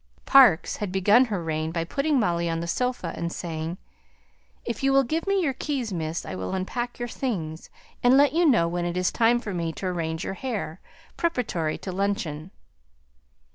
Parkes had begun her reign by putting Molly on the sofa, and saying, "If you will give me your keys, Miss, I will unpack your things, and let you know when it is time for me to arrange your hair, preparatory to luncheon."